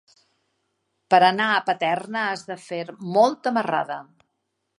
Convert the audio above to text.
Per anar a Paterna has de fer molta marrada.